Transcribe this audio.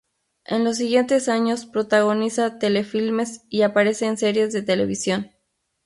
En los siguientes años protagoniza telefilmes y aparece en series de televisión.